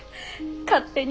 勝手に。